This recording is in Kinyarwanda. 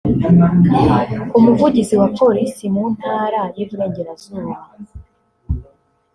Umuvugizi wa Polisi mu Ntara y’Iburengerazuba